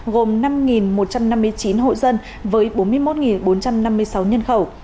gồm năm một trăm năm mươi chín hộ dân với bốn mươi một bốn trăm năm mươi sáu nhân khẩu